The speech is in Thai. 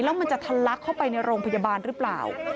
แล้วมันจะทะลักเข้าไปในโรงพยาบาลหรือเปล่า